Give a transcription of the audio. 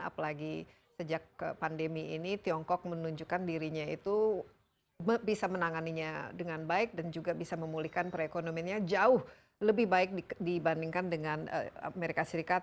apalagi sejak pandemi ini tiongkok menunjukkan dirinya itu bisa menanganinya dengan baik dan juga bisa memulihkan perekonomiannya jauh lebih baik dibandingkan dengan amerika serikat